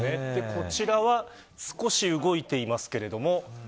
こちらは少し動いていますけれども。